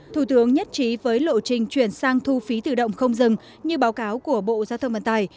thủ tướng nhất trí với lộ trình chuyển sang thu phí tự động không dừng như báo cáo của bộ giao thông vận tải